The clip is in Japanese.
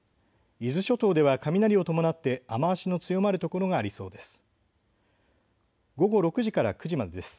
伊豆諸島では雷を伴って雨足の強まる所がありそうです。